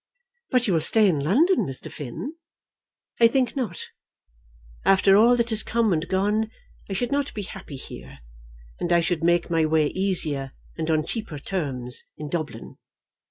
"But you will stay in London, Mr. Finn?" "I think not. After all that has come and gone I should not be happy here, and I should make my way easier and on cheaper terms in Dublin.